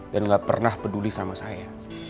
dan tidak pernah peduli sama saya